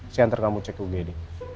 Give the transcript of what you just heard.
saya ntar kamu cek ugd